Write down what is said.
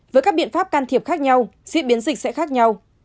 với các biện pháp can thiệp khác nhau diễn biến dịch sẽ khác nhau